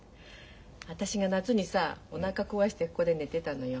私が夏にさおなか壊してここで寝てたのよ。